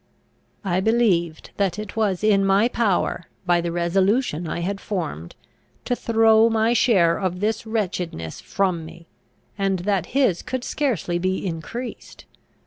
I believed that it was in my power, by the resolution I had formed, to throw my share of this wretchedness from me, and that his could scarcely be increased.